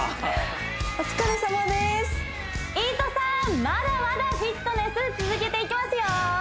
お疲れさまですいとさんまだまだフィットネス続けていきますよ